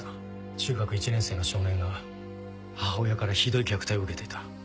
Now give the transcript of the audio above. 中学１年生の少年が母親からひどい虐待を受けていた。